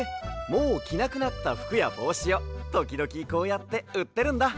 もうきなくなったふくやぼうしをときどきこうやってうってるんだ。